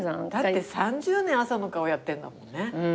だって３０年朝の顔やってんだもんね。